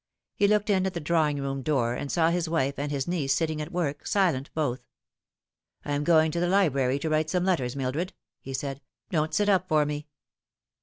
He looked in at the drawing room door, and saw his wife and his niece sitting at work, silent both. " I am going to the library to write some letters, Mildred," he said :" don't sit up for me."